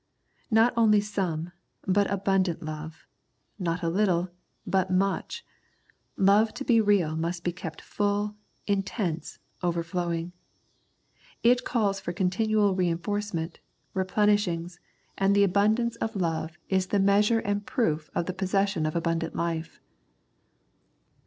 Not only some, but abundant love ; not a little, but much. Love to be real must be kept full, intense, overflowing ; it calls for continual reinforce ment, replenishing, and the abundance of 129 The Prayers of St. Paul love is the measure and proof of the possession of abundant Hfe.